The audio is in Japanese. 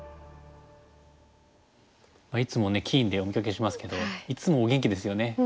いつもね棋院でお見かけしますけどいつもお元気ですよね。